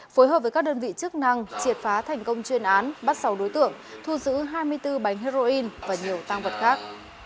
phối hợp với các đơn vị chức năng triệt phá thành công chuyên án bắt sáu đối tượng thu giữ hai mươi bốn bánh heroin và nhiều tăng vật khác